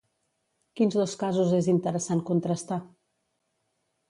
Quins dos casos és interessant contrastar?